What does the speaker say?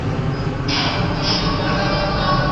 په ادبي ژوند کي وځلېدل